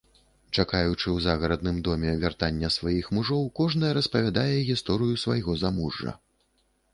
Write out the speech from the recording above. Чакаючы ў загарадным доме вяртання сваіх мужоў, кожная распавядае гісторыю свайго замужжа.